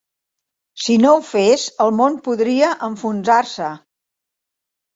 Si no ho fes, el món podria enfonsar-se.